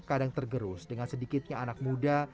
kadang tergerus dengan sedikitnya anak muda